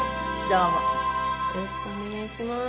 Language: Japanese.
どうも。